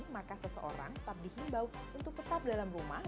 maka seseorang tetap dihimbau untuk tetap dalam rumah